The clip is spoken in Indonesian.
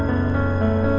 nih kita mau ke sana